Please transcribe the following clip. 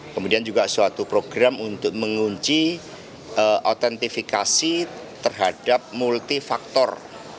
kemudian juga suatu program untuk mengunci autentifikasi terhadap multifaktor